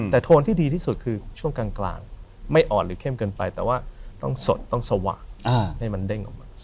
แต่โทนที่ดีที่สุดคือช่วงกลางไม่อ่อนหรือเข้มเกินไปแต่ว่าต้องสดต้องสว่างให้มันเด้งออกมา